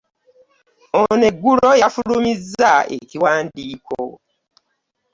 Ono eggulo yafulumizza ekiwandiiko